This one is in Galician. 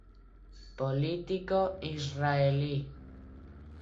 Político israelí.